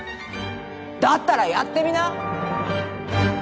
だったらやってみな。